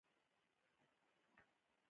زه به لاړ شم، خو زړه مې همدلته پرېږدم.